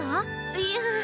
いや。